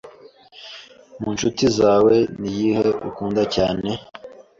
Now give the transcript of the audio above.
mu nshuti zawe niyihe ukunda cyane